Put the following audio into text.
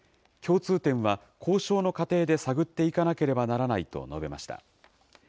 共通点は交渉の過程で探っていかなければならないと述べました。